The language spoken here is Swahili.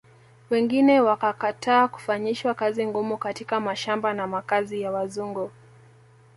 Wengine wakakataa kufanyishwa kazi ngumu katika mashamba na makazi ya Wazungu